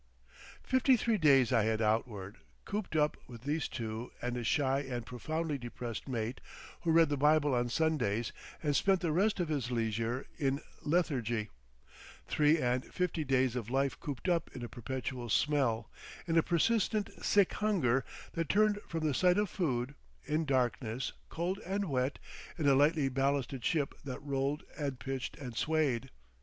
Fifty three days I had outward, cooped up with these two and a shy and profoundly depressed mate who read the Bible on Sundays and spent the rest of his leisure in lethargy, three and fifty days of life cooped up in a perpetual smell, in a persistent sick hunger that turned from the sight of food, in darkness, cold and wet, in a lightly ballasted ship that rolled and pitched and swayed.